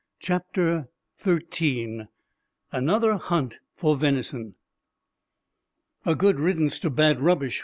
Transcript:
CHAPTER XIII ANOTHER HUNT FOR VENISON "A good riddance to bad rubbish!"